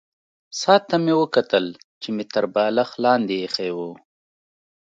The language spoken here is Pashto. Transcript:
ساعت ته مې وکتل چې مې تر بالښت لاندې ایښی وو.